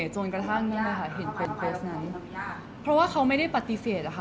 จนกระท่าเงื่อเห็นคนเพราะว่าเขาไม่ได้ปฏิเสธค่ะ